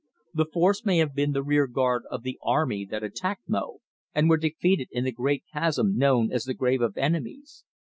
"The force may have been the rear guard of the army that attacked Mo, and were defeated in the great chasm known as the Grave of Enemies.